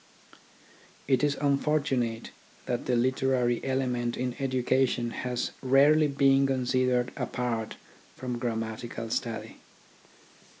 It is unfortunate that the literary element in education has rarely been considered apart from grammatical study.